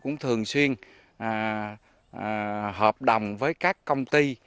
cũng thường xuyên hợp đồng với các công ty